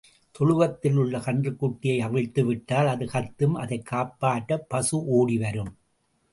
தொழுவத்தில் உள்ள கன்றுக்குட்டியை அவிழ்த்து விட்டால் அது கத்தும் அதைக் காப்பாற்றப் பசு ஒடி வரும்.